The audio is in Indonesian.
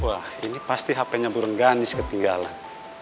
wah ini pasti hp nya berengganis ketinggalan